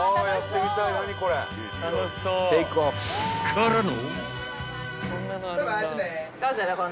［からの］